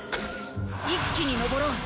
一気にのぼろう。